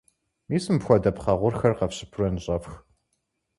Мис мыпхуэдэ пхъэ гъурхэр къэфщыпурэ ныщӀэфх.